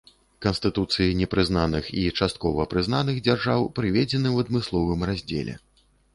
Канстытуцыі непрызнаных і часткова прызнаных дзяржаў прыведзены ў адмысловым раздзеле.